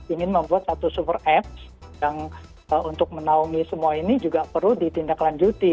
ingin membuat satu super apps yang untuk menaungi semua ini juga perlu ditindaklanjuti